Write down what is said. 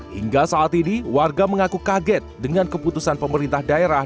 hingga saat ini warga mengaku kaget dengan keputusan pemerintah daerah